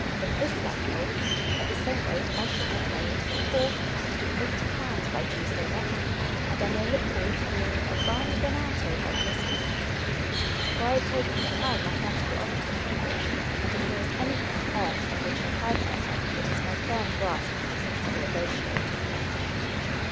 If this luck holds, at the same rate, I shall have made four hundred and eighty pounds by Tuesday next, and I may look forward to being a Barney Barnato by Christmas." For I had taken high mathematical honours at Cambridge, and if there is anything on earth on which I pride myself, it is my firm grasp of the principle of ratios.